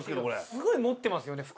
すごい持ってますよね服。